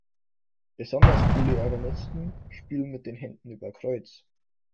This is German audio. Besonders coole Organisten spielen mit den Händen über Kreuz.